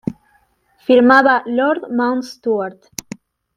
Firmaba "Lord Mount Stuart".